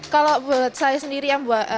kalau buat saya sendiri yang